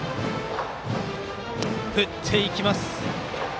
振っていきました！